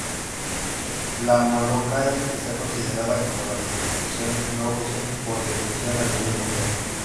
La Molokai está considerada como la Competición no-oficial por definición a nivel mundial.